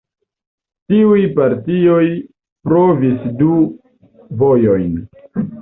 Tiuj partioj provis du vojojn.